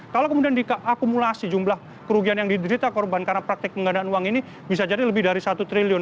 kalau kemudian diakumulasi jumlah kerugian yang diderita korban karena praktik penggandaan uang ini bisa jadi lebih dari satu triliun